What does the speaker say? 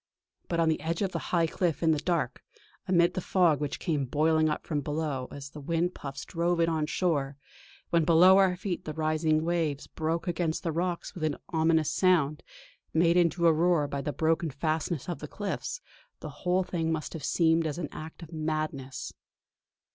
But on the edge of the high cliff, in the dark, amid the fog which came boiling up from below as the wind puffs drove it on shore; when below our feet the rising waves broke against the rocks with an ominous sound, made into a roar by the broken fastnesses of the cliffs, the whole thing must have seemed as an act of madness.